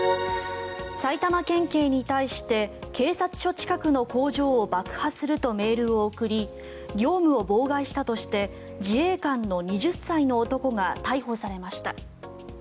埼玉県警に対して警察署近くの工場を爆破するとメールを送り業務を妨害したとして自衛官の２０歳の男が逮捕されました。